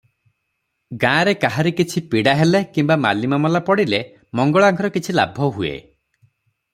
ଗାଁରେ କାହାରିକିଛି ପୀଡ଼ାହେଲେ କିମ୍ବା ମାଲିମାମଲା ପଡ଼ିଲେ ମଙ୍ଗଳାଙ୍କର କିଛିଲାଭହୁଏ ।